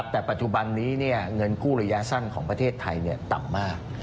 แต่ปัจจุบันนี้เงินกู้ระยะสั้นของประเทศไทยต่ำมาก